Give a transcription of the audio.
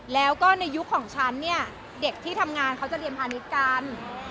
แล้วก็ในยุคของฉันเลยเหมือนเด็กที่ทำงานก็เรียนภาษณีกัน